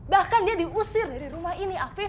bahkan dia diusir dari rumah ini